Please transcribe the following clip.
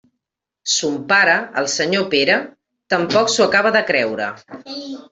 Son pare, el senyor Pere, tampoc s'ho acaba de creure.